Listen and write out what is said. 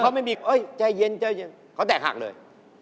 เขาไม่มีใจเย็นเขาแตกหักเลย